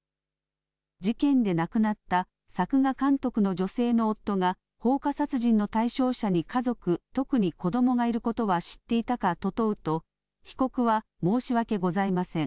事件で亡くなった作画監督の女性の夫が、放火殺人の対象者に家族、特に子どもがいることは知っていたかと問うと、被告は申し訳ございません。